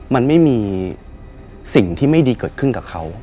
มันไม่มีสิ่งที่ไม่ดีเกิดขึ้นกับเขา